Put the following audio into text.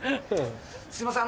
すいません